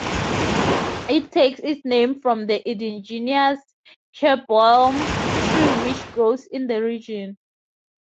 It takes its name from the indigenous keurboom tree which grows in the region.